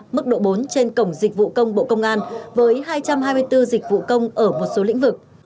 mức độ bốn trên cổng dịch vụ công bộ công an với hai trăm hai mươi bốn dịch vụ công ở một số lĩnh vực